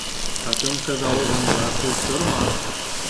Ҡатын-ҡыҙ ауыҙында һүҙ тормаҫ.